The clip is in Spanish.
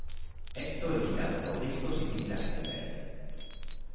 Esto editado por Discos y Cintas Denver.